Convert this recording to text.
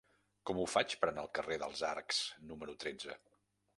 Com ho faig per anar al carrer dels Arcs número tretze?